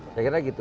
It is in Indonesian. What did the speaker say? saya kira gitu